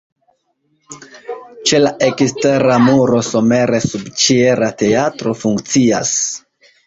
Ĉe la ekstera muro somere subĉiela teatro funkcias.